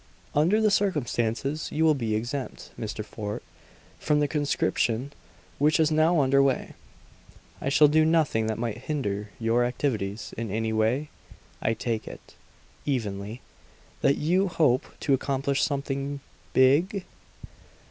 "Under the circumstances, you will be exempt, Mr. Fort, from the conscription which is now under way. I shall do nothing that might hinder your activities in any way? I take it" evenly "that you hope to accomplish something big?"